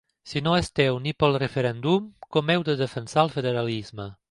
Si no esteu ni pel referèndum, com heu de defensar el federalisme?